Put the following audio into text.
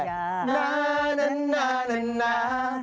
น่าน่าน่าน่าน่า